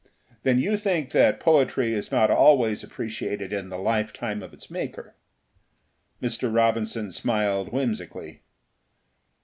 "Then you think that poetry is not always appreciated in the lifetime of its maker?" Mr. Robinson smiled whimsically.